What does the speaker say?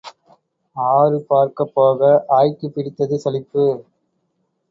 ஆறு பார்க்கப் போக ஆய்க்குப் பிடித்தது சளிப்பு.